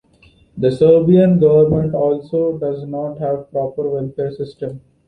The Serbian government also does not have proper welfare system.